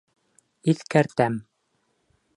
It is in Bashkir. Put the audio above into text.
Иҫкәртәм!